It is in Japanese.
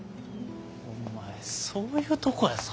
お前そういうとこやぞ！